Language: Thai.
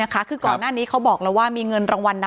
อ๋อเจ้าสีสุข่าวของสิ้นพอได้ด้วย